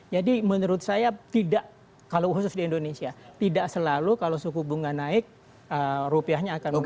jadi menurut saya tidak kalau khusus di indonesia tidak selalu kalau suku bunga naik rupiahnya akan membuang